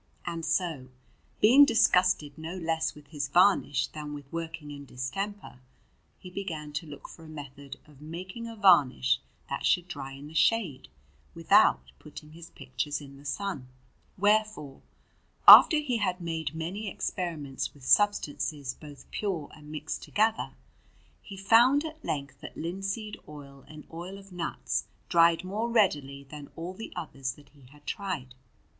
And so, being disgusted no less with his varnish than with working in distemper, he began to look for a method of making a varnish that should dry in the shade, without putting his pictures in the sun. Wherefore, after he had made many experiments with substances both pure and mixed together, he found at length that linseed oil and oil of nuts dried more readily than all the others that he had tried.